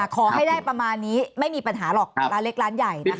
ขอให้ได้ประมาณนี้ไม่มีปัญหาหรอกร้านเล็กร้านใหญ่นะคะ